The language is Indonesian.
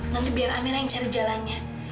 nanti biar amela yang cari jalannya